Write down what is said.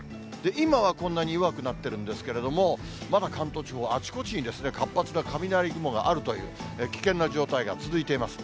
今はこんなに弱くなってるんですけども、まだ関東地方、あちこちに活発な雷雲があるという、危険な状態が続いています。